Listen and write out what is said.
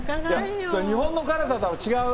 日本の辛さとは違う？